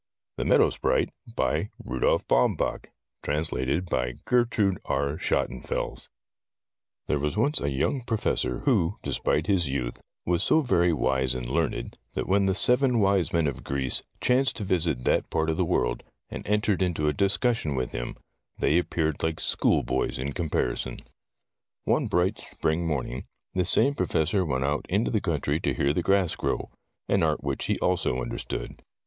THE MEADOW SPRITE AND OTHER TALES THE MEADOW SPRITE There was once a young Professor who, despite his youth, was so very wise and learned, that when the Seven Wise Men of Greece chanced to visit that part of the world, and entered into a discussion with him, they appeared like school boys in comparison. One bright spring morning this same Professor went out into the country to hear the grass grow — an art which he also understood.